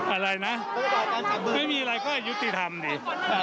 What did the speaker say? อะไรนะไม่มีอะไรเขาก็ให้ยุติธรรมดี